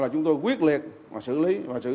chúng tôi quyết liệt xử lý